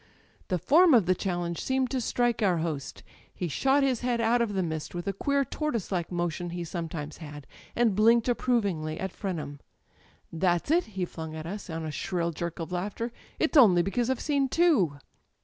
The form of the challenge seemed to strike our host. He shot his head out of the mist with a queer tortoise like motion he sometimes had, and blinked approvingly at Frenham. "That's it," he flung at us on a shrill jerk of laughter; "it's only because I've seen two!"